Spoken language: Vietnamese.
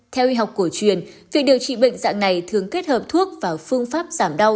theo y học cổ truyền việc điều trị bệnh dạng này thường kết hợp thuốc và phương pháp giảm đau